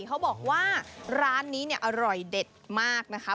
เขาบอกว่าร้านนี้เนี่ยอร่อยเด็ดมากนะคะ